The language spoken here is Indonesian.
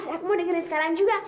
aku mau dengerin sekarang juga